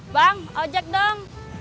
bang ojek dong